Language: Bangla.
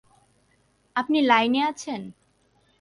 আপনি লাইনে আছেন?